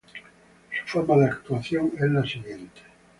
Su forma de actuación es la siguiente.